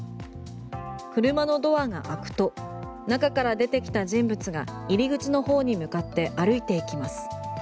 車のドアが開くと中から出てきた人物が入口の方に向かって歩いていきます。